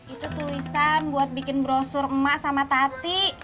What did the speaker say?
itu tulisan buat bikin brosur emak sama tati